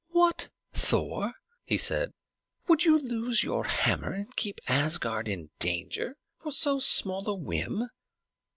"What, Thor!" he said. "Would you lose your hammer and keep Asgard in danger for so small a whim?